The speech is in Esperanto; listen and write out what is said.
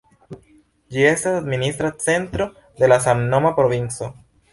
Ĝi estas administra centro de la samnoma provinco.